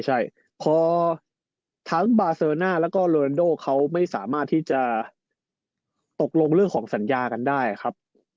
ใช่พอทั้งบาเซอร์น่าแล้วก็โรนโดเขาไม่สามารถที่จะตกลงเรื่องของสัญญากันได้ครับ